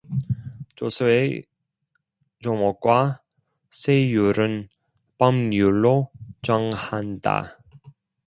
조세의 종목과 세율은 법률로 정한다.